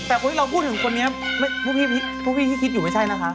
แต่เราพูดถึงคนนี้พวกพี่ที่คิดอยู่ไม่ใช่นะคะ